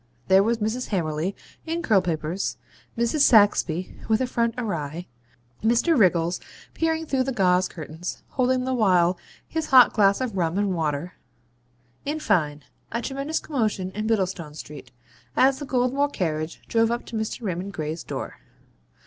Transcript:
There was Mrs. Hammerly in curl papers; Mrs. Saxby with her front awry; Mr. Wriggles peering through the gauze curtains, holding the while his hot glass of rum and water in fine, a tremendous commotion in Bittlestone Street, as the Goldmore carriage drove up to Mr. Raymond Gray's door.